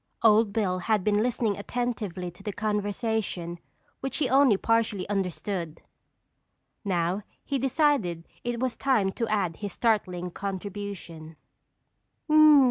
Old Bill had been listening attentively to the conversation which he only partially understood. Now he decided it was time to add his startling contribution.